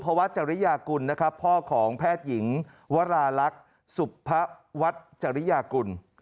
พระวัตรจริยากุลนะครับพ่อของแพทย์หญิงวรารักษ์สุพพะวัตรจริยากุล